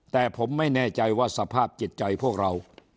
แต่ผมไม่แน่ใจว่าสภาพจิตใจพวกเรา